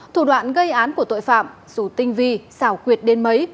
thủ đoạn gây án của tội phạm dù tinh vi xảo quyệt đến mấy